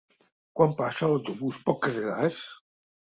Quan passa l'autobús pel carrer Das?